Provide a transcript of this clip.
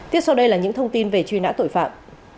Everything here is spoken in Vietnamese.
tiếp sau đây là những thông tin về truy nã tội phạm